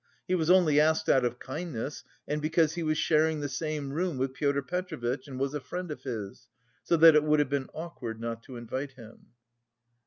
He was only asked out of kindness and because he was sharing the same room with Pyotr Petrovitch and was a friend of his, so that it would have been awkward not to invite him."